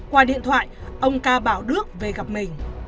qua điện thoại ông ca bảo đước về gặp mình